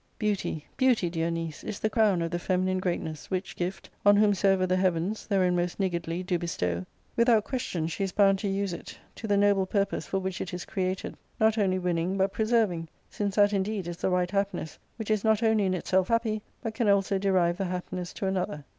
Beauty, beauty, dear niece, is the crown of the feminine greatness, which gift, on whom soever the heavens, therein most niggardly, do bestow, with out question she is bound to use it to the noble purpose for which it is created, not only winning, but preserving ; since that, indeed, is the right happiness which is not only in itself happy, but can also derive the happiness to another."